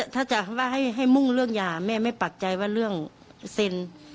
ถ้าจะว่าให้มุ่งเรื่องยาแม่ไม่ปักใจว่าเรื่องเซ็น